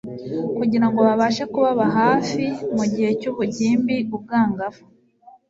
kugirango babashe kubaba hafi mu gihe cy ubugimbiubwangavu